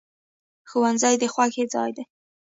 ښوونځی د خوښۍ ځای دی